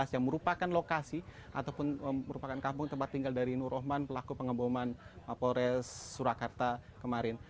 yang merupakan lokasi ataupun merupakan kampung tempat tinggal dari nur rahman pelaku pengaboman mapol resta surakarta kemarin